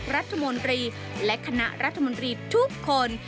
รัฐมนตรีและคณะรัฐมนตรีทุกคน